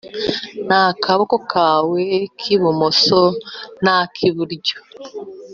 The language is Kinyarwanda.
n’akaboko kamwe k’ibumoso na kiburyo